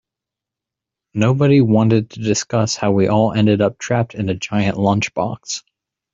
Nobody wanted to discuss how we all ended up trapped in a giant lunchbox.